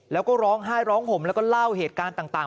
แล้วก็ร้องไห้ร้องห่มแล้วก็เล่าเหตุการณ์ต่าง